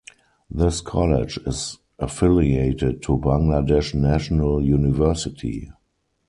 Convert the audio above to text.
This college is affiliated to Bangladesh National University.